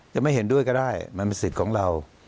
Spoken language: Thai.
จะไม่เห็นด้วยก็ได้มันเป็นสิทธิ์ของเรา